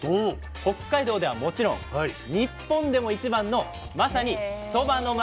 北海道ではもちろん日本でも一番のまさにそばの町なんです。